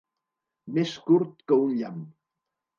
Més curt que un llamp.